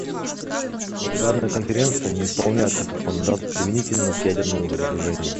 Но данная Конференция не исполняет этот мандат применительно к ядерному разоружению.